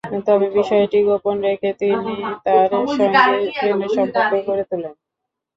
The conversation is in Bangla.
তবে বিষয়টি গোপন রেখে তিনি তাঁর সঙ্গে প্রেমের সম্পর্ক গড়ে তোলেন।